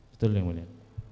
betul yang mulia